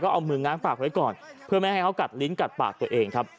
เอามือง้างปากไว้ก่อนเพื่อไม่ให้เขากัดลิ้นกัดปากตัวเองครับ